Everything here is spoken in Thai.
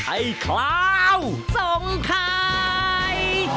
ไอ้คลาวส่งไข่